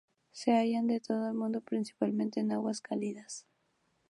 Se hallan en todo el mundo, principalmente en aguas cálidas.